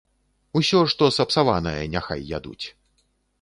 Усё, што сапсаванае, няхай ядуць.